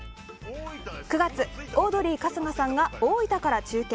９月、オードリー春日さんが大分から中継。